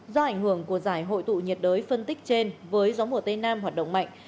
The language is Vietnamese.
do ảnh hưởng của giải hội tụ nhiệt đới phân tích trên với gió mùa tây nam hoạt động mạnh